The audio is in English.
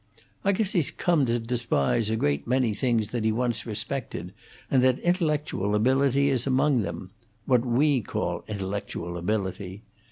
I guess he's come to despise a great many things that he once respected, and that intellectual ability is among them what we call intellectual ability.